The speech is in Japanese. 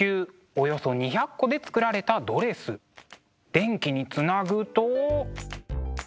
電気につなぐと。